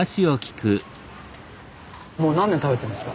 もう何年食べてますか？